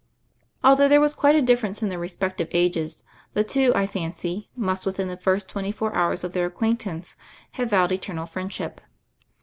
Although there was quite a difference in their respective ages, the two, I fancy, must within the first twenty four hours of their acquaintance have vowed eternal friendship.